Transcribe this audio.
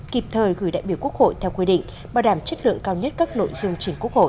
kịp thời gửi đại biểu quốc hội theo quy định bảo đảm chất lượng cao nhất các nội dung chính quốc hội